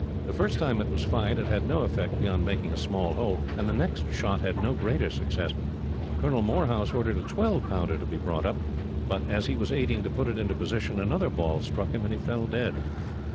The first time it was fired, it had no effect beyond making a small hole, and the next shot had no greater success. Colonel Moorhouse ordered a twelve pounder to be brought up, but as he was aiding to put it into position, another ball struck him, and he fell dead.